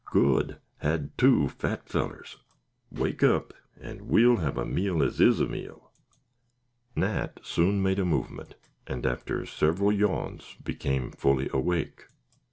"Good; had two fat fellers. Wake up, and we'll have a meal as is a meal." Nat soon made a movement, and, after several yawns, became fully awake.